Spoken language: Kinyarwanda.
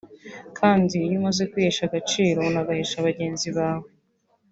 kandi iyo umaze kwihesha agaciro unagahesha bagenzi bawe